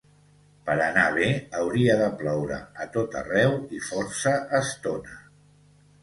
Per anar bé, hauria de ploure a tot arreu i força estona.